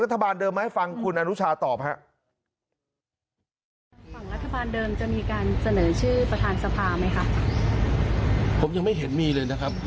รัฐบาลเดิมไหมให้ฟังคุณอนุชาตอบครับ